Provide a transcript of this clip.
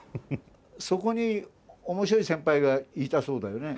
そこに面白い先輩がいたそうだよね。